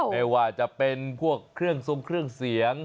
ไม่ว่าจะเป็นพวกเครื่องทรงเครื่องเสียง